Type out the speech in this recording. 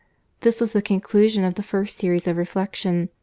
This was the conclusion of the first series of reflection.